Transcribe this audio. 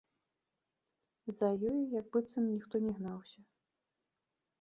За ёю як быццам ніхто не гнаўся.